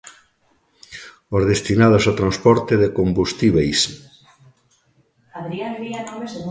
Os destinados ao transporte de combustíbeis.